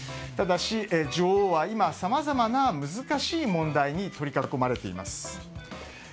ただし、女王は今さまざまな難しい問題に取り囲まれています。